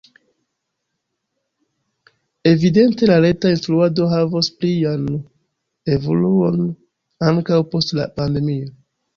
Evidente la reta instruado havos plian evoluon ankaŭ post la pandemio.